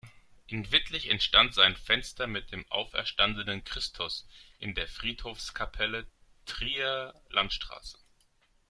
In Wittlich entstand sein Fenster mit dem „Auferstandenen Christus“ in der Friedhofskapelle Trierer Landstraße.